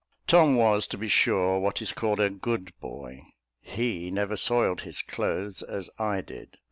Tom was, to be sure, what is called a good boy; he never soiled his clothes, as I did.